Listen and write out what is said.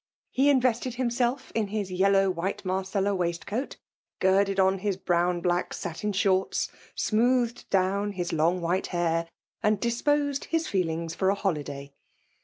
He invented himself in his yellow white Marcella waist ■ c t,girded on his brown bWk satiu .horto. smoothed down his long white hair, and ,dis posed his feelings for a holiday.